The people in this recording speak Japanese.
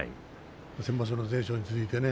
先場所の全勝に続いてね